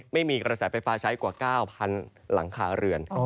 ไม่มีกระแสไฟฟ้าใช้กว่า๙๐๐หลังคาเรือน